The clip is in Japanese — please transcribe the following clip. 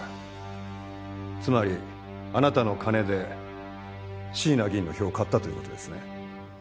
つまりあなたの金で椎名議員の票を買ったという事ですね。